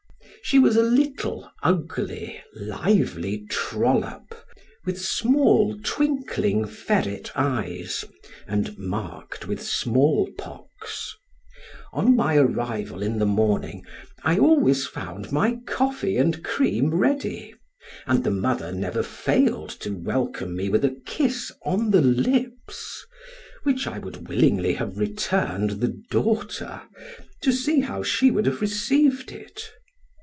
She was a little, ugly, lively trollop, with small twinkling ferret eyes, and marked with smallpox. On my arrival in the morning, I always found my coffee and cream ready, and the mother never failed to welcome me with a kiss on the lips, which I would willingly have returned the daughter, to see how she would have received it.